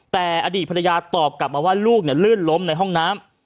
แต่อดีตภรรยาตอบกลับมาว่าลูกลื่นล้มในห้องน้ำ